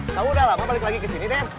kamu udah lama balik lagi kesini den